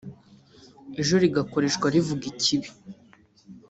ejo rigakoreshwa rivuga ikibi